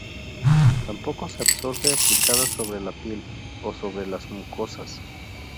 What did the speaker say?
Tampoco se absorbe aplicada sobre la piel o sobre las mucosas.